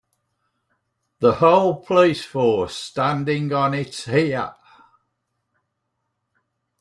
The whole police force standing on it's ear.